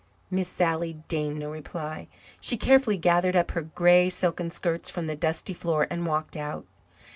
Miss Sally deigned no reply. She carefully gathered up her grey silken skirts from the dusty floor and walked out.